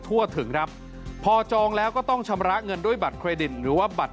ทั่วถึงครับพอจองแล้วก็ต้องชำระเงินด้วยบัตรเครดิตหรือว่าบัตร